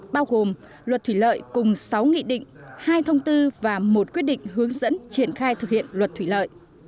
bao gồm luật thủy lợi cùng sáu nghị định hai thông tư và một quyết định hướng dẫn triển khai thực hiện luật thủy lợi